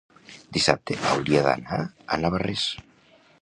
Dissabte hauria d'anar a Navarrés.